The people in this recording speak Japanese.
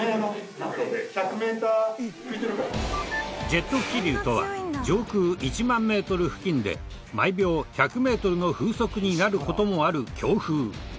ジェット気流とは上空１万メートル付近で毎秒１００メートルの風速になる事もある強風。